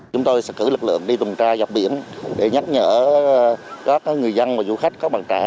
chúng tôi sẽ cử lực lượng đi tuần tra dọc biển để nhắc nhở các người dân và du khách có bằng trả